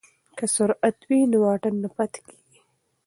که سرعت وي نو واټن نه پاتې کیږي.